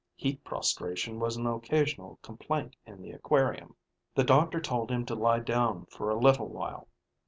Heat prostration was an occasional complaint in the aquarium. The doctor told him to lie down for a little while.